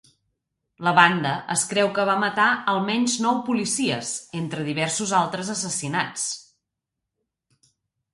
La banda es creu que va matar a almenys nou policies, entre diversos altres assassinats.